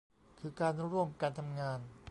คือการร่วมกันทำงาน